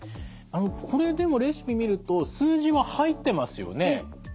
これでもレシピ見ると数字は入ってますよね。